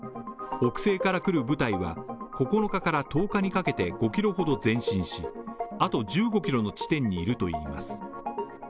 北西から来る部隊は９日から１０日にかけて５ｋｍほど前進しあと１５ｋｍの地点にいるといいます。